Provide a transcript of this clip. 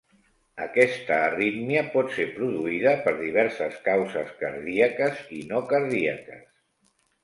Aquesta arrítmia pot ser produïda per diverses causes: cardíaques i no cardíaques.